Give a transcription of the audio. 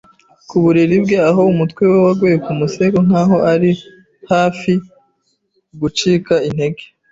uburiri bwe, aho umutwe we waguye ku musego nkaho ari hafi gucika intege.